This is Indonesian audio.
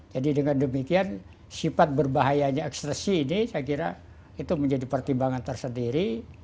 jadi dengan demikian sifat berbahayanya ekstasi ini saya kira itu menjadi pertimbangan tersendiri